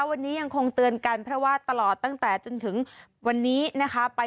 วันนี้ยังคงเตือนกันเพราะว่าตลอดตั้งแต่จนถึงวันนี้นะคะ